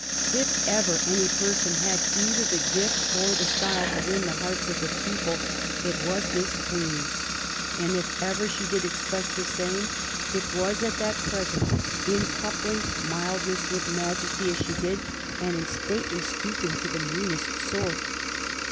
" If ever any person had either the gift or the style to win the hearts of the people, it was this Queen ; and if ever she did express the same, it was at that present, in coupling mildness with majesty, as she did, and in stately stooping to the meanest sort.